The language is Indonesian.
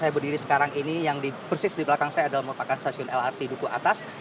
saya berdiri sekarang ini yang persis di belakang saya adalah merupakan stasiun lrt duku atas